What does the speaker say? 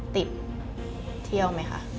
ติดเที่ยวไหมคะ